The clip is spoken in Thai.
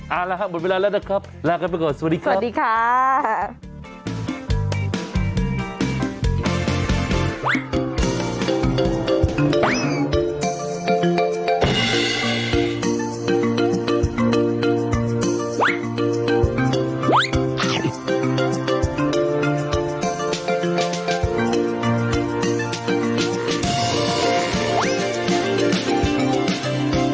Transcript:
เอาละครับหมดเวลาแล้วนะครับลากันไปก่อนสวัสดีครับสวัสดีค่ะ